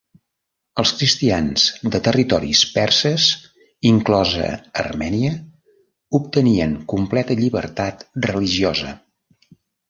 Els cristians de territoris perses, inclosa Armènia, obtenien completa llibertat religiosa.